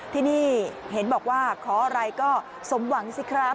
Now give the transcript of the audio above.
ที่นี่เห็นบอกว่าขออะไรก็สมหวังสิครับ